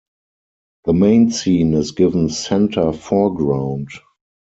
The main scene is given center foreground.